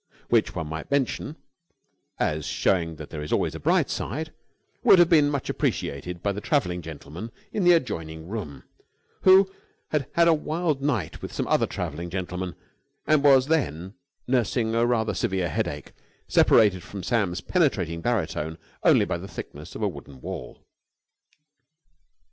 Which, one might mention, as showing that there is always a bright side, would have been much appreciated by the travelling gentleman in the adjoining room, who had had a wild night with some other travelling gentlemen, and was then nursing a rather severe headache, separated from Sam's penetrating baritone, only by the thickness of a wooden wall.